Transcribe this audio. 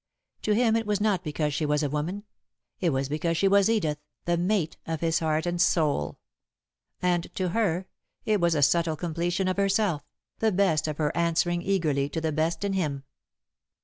To him it was not because she was a woman; it was because she was Edith, the mate of his heart and soul. And, to her, it was a subtle completion of herself, the best of her answering eagerly to the best in him.